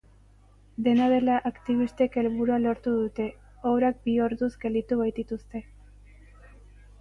Dena dela, aktibistek helburua lortu dute, obrak bi orduz gelditu baitituzte.